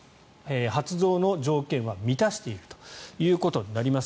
発動の条件は満たしているということになります。